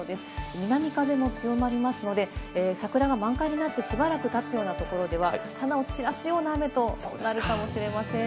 南風も強まりますので、桜が満開になって、しばらく経つようなところでは花を散らすような雨となるかもしれません。